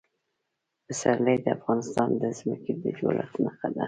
پسرلی د افغانستان د ځمکې د جوړښت نښه ده.